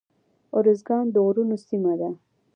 ارزګان د غرونو سیمه ده